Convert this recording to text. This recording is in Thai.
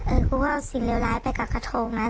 กูก็เอาสิ่งเลวร้ายไปกับกระทงนะ